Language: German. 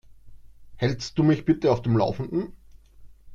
Hältst du mich bitte auf dem Laufenden?